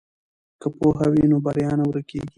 که پوهه وي نو بریا نه ورکیږي.